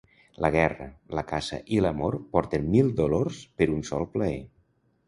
La guerra, la caça i l'amor porten mil dolors per un sol plaer.